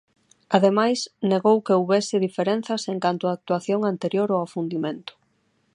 Ademais, negou que houbese diferenzas en canto á actuación anterior ao afundimento.